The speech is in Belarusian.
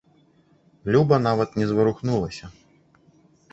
Люба нават не зварухнулася.